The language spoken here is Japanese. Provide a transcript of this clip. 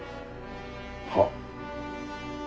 はっ。